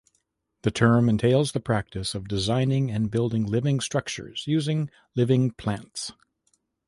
The term entails the practice of designing and building living structures using "living plants".